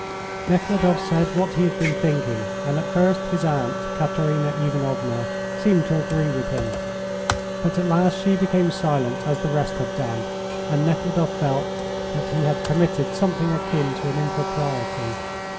Nekhludoff said what he had been thinking, and at first his aunt, Katerina Ivanovna, seemed to agree with him, but at last she became silent as the rest had done, and Nekhludoff felt that he had committed something akin to an impropriety.